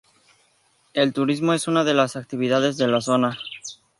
El turismo es una de las actividades de la zona.